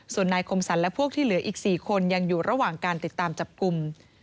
ส่วนนายคมสรรและพวกที่เหลืออีก๔คนยังอยู่ระหว่างการติดตามจับกลุ่ม